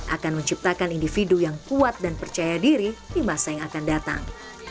akan menciptakan individu yang kuat dan percaya diri di masa yang akan datang